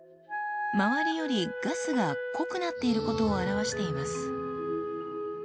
周りよりガスが濃くなっていることを表しています。